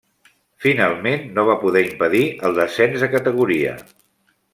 Finalment no va poder impedir el descens de categoria.